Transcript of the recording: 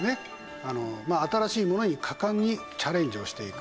新しいものに果敢にチャレンジをしていく。